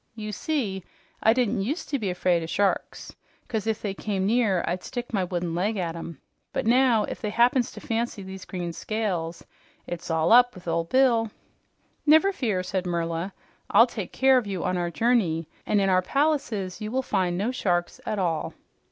"You see, I didn't use to be 'fraid o' sharks 'cause if they came near I'd stick my wooden leg at 'em. But now, if they happens to fancy these green scales, it's all up with ol' Bill." "Never fear," said Merla, "I'll take care of you on our journey, and in our palaces you will find no sharks at all."